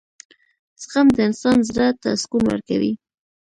• زغم د انسان زړۀ ته سکون ورکوي.